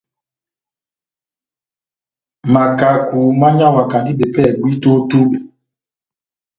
Makaku mányawakandi bepéyɛ bwíto ó tubɛ.